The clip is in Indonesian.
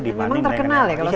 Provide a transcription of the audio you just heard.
memang terkenal ya